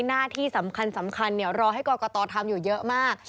หน้าที่สำคัญรอให้กรกตทำอยู่เยอะมาก